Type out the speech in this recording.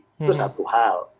itu satu hal